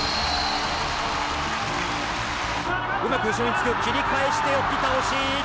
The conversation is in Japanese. うまく後ろにつく切り替えして寄り倒し。